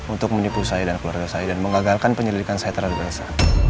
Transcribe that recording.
untuk menipu saya dan keluarga saya dan mengagalkan penyelidikan saya terhadap rasa